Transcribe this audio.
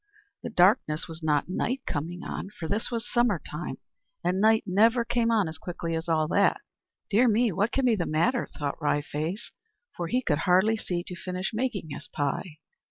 The darkness was not night coming on, for this was summer time and night never came on as quickly as all that. "Dear me, what can be the matter?" thought Wry Face; for he could hardly see to finish making his pie.